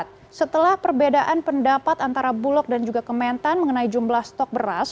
nah setelah perbedaan pendapat antara bulog dan juga kementan mengenai jumlah stok beras